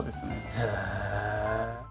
へえ。